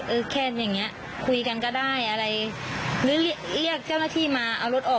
แค่อย่างเงี้ยคุยกันก็ได้อะไรหรือเรียกเจ้าหน้าที่มาเอารถออก